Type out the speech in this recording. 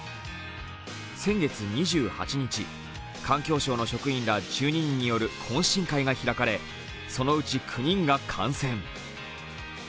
せんげつ２８日、環境省の職員ら１２人による懇親会が開かれ、そのうち９人が感染。